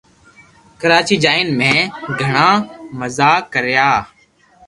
ڪراچي جائين مي گِھڙا مزا ڪريا